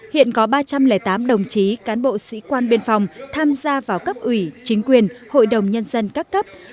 hiện có ba trăm linh tám đồng chí cán bộ sĩ quan biên phòng tham gia vào cấp ủy chính quyền hội đồng nhân dân các cấp